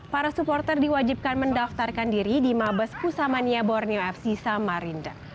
para supporter diwajibkan mendaftarkan diri di mabes pusamania borneo fc samarinda